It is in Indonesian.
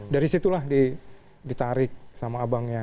dari situlah ditarik sama abangnya